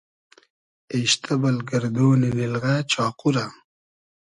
اېشتۂ بئل گئردۉنی نیلغۂ چاقو رۂ